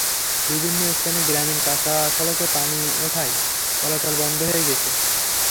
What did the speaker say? বিভিন্ন স্থানে গ্রামীণ কাঁচা সড়কে পানি ওঠায় চলাচল বন্ধ হয়ে গেছে।